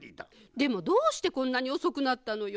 でもどうしてこんなにおそくなったのよ？